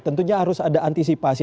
tentunya harus ada antisipasi